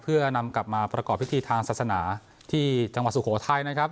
เพื่อนำกลับมาประกอบพิธีทางศาสนาที่จังหวัดสุโขทัยนะครับ